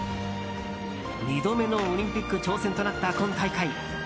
２度目のオリンピック挑戦となった今大会